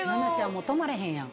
もう止まれへんやん。